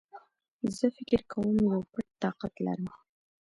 زه فکر کوم يو پټ طاقت لرم